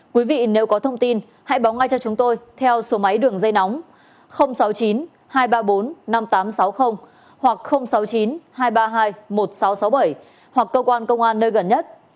quý vị nếu có thông tin hãy báo ngay cho chúng tôi theo số máy đường dây nóng sáu mươi chín hai trăm ba mươi bốn năm nghìn tám trăm sáu mươi hoặc sáu mươi chín hai trăm ba mươi hai một nghìn sáu trăm sáu mươi bảy hoặc cơ quan công an nơi gần nhất